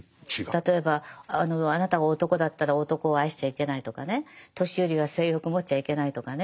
例えばあなたが男だったら男を愛しちゃいけないとかね年寄りは性欲持っちゃいけないとかね